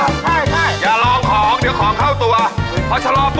น้องการนี้ทำจะความฟันของข้าความสุข